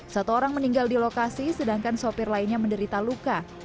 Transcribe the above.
satu orang meninggal di lokasi sedangkan sopir lainnya menderita luka